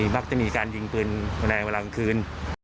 มักจะมีการยิงปืนในเวลากลางคืน